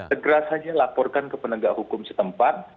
segera saja laporkan ke penegak hukum setempat